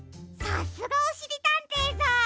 さすがおしりたんていさん！